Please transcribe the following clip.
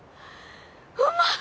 うまっ！